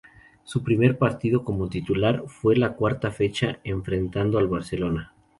Su primer partido como titular fue en la cuarta fecha enfrentando al Barcelona.